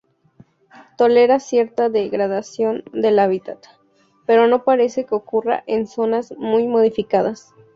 Tolera cierta degradación del hábitat, pero no parece que ocurra en zonas muy modificadas.